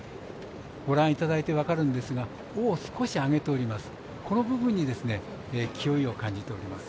ご覧いただいて分かるんですが尾を少し上げております。